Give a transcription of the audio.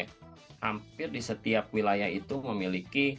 hampir di setiap wilayah itu memiliki